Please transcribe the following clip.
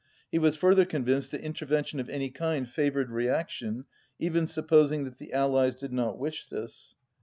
He was further convinced that inter vention of any kind favoured reaction, even sup posing that the Allies did not wish this.